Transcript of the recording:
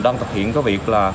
đang thực hiện cái việc là